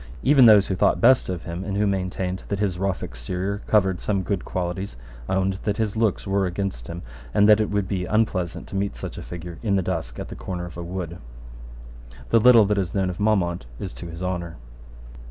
Even those who thought best of him, and who maintained that his rough exterior covered some good qualities, owned that his looks were against him, and that it would be unpleasant to meet such a figure in the dusk at the corner of a wood, The little that is known of Maumont is to his honour.